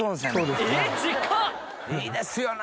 いいですよね！